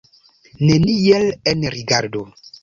Neniel enrigardu!